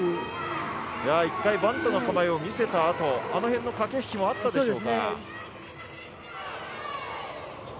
１回、バントの構えを見せたあとあの辺の駆け引きもあったでしょうか。